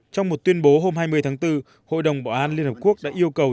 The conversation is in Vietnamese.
trong một tuyên bố hôm hai mươi tháng bốn hội đồng bảo an liên hợp quốc đã yêu cầu